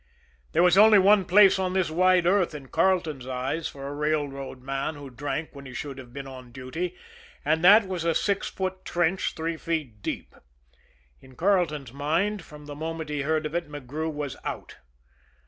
There was only one place on this wide earth in Carleton's eyes for a railroad man who drank when he should have been on duty and that was a six foot trench, three feet deep. In Carleton's mind, from the moment he heard of it, McGrew was out.